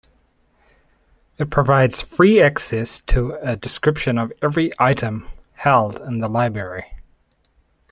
It provides free access to a description of every item held in the library.